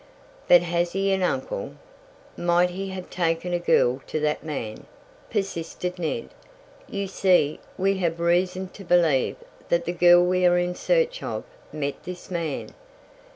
"But has he an uncle? Might he have taken a girl to that man?" persisted Ned. "You see, we have reason to believe that the girl we are in search of, met this man.